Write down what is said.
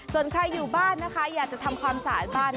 ส่วนใครอยู่บ้านนะคะอยากจะทำความสะอาดบ้าน